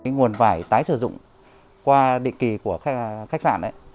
nguồn vải tái sử dụng qua định kỳ của khách sạn